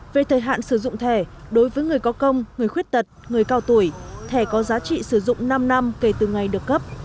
về thời hạn sử dụng thẻ đối với người có công người khuyết tật người cao tuổi thẻ có giá trị sử dụng năm năm kể từ ngày được cấp